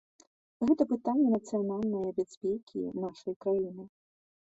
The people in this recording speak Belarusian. Гэта пытанні нацыянальнае бяспекі нашай краіны.